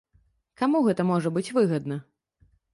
Каму гэта можа быць выгадна?